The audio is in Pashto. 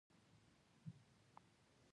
پر دویمه یې جمعه وه ارغنداو ته لاړم.